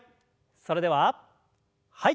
それでははい。